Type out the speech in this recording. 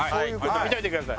見といてください。